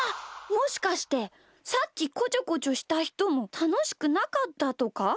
もしかしてさっきこちょこちょしたひともたのしくなかったとか？